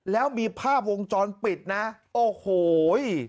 แล้วมีภาพวงจรปิดนะโอ้โห